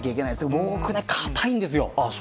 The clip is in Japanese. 僕は硬いんですよ。